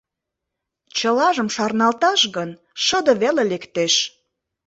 Чылажым шарналташ гын, шыде веле лектеш.